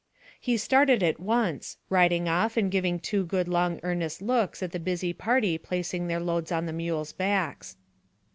He started at once, riding off and giving two good long earnest looks at the busy party placing their loads on the mules' backs.